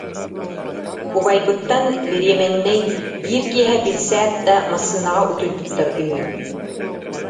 «Убайбыттан бириэмэннэй, биир киэһэ билсээт да, массыынаҕа утуйбуттар үһү